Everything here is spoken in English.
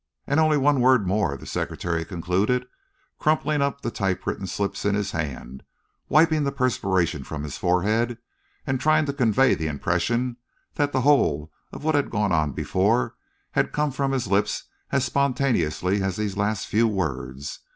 "And only one word more," the secretary concluded, crumpling up the typewritten slips in his hand, wiping the perspiration from his forehead, and trying to convey the impression that the whole of what had gone before had come from his lips as spontaneously as these last few words.